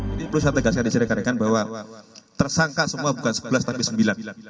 ini perlu saya tegaskan di serikan rekan bahwa tersangka semua bukan sebelas tapi sembilan